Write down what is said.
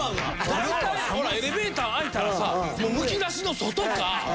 大体ほらエレベーター開いたらさむき出しの外か。